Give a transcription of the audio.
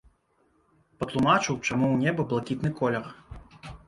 Патлумачыў чаму ў неба блакітны колер.